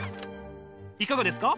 いかがですか？